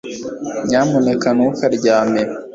nyamuneka ntukarwanye